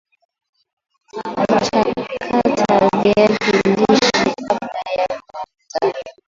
kuchakata viazi lishe kabla ya kuuza